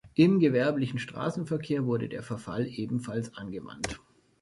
Im gewerblichen Straßenverkehr wurde der Verfall ebenfalls angewandt.